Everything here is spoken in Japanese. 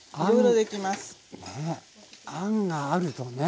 あんがあるとね。